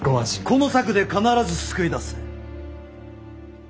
この策で必ず救い出す。